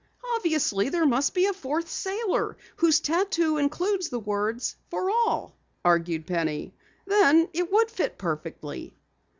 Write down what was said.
"Obviously there must be a fourth sailor whose tattoo includes the words, 'for all,'" argued Penny. "Then it would fit perfectly."